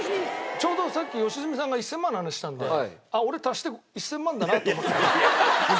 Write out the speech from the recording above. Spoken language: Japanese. ちょうどさっき良純さんが１０００万の話したんであっ俺足して１０００万だなと思って。